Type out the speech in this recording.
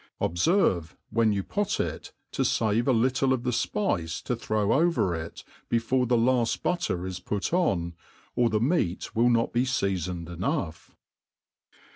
Obferve, when you pot it, to favc a little of the fpice to throw over it, before the laft butter is put on, or the meat will not be feafoned enough.